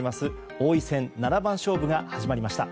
王位戦七番勝負が始まりました。